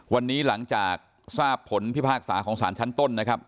วันนี้หลังจากทราบผลภิพากษาของศาลชั้นต้น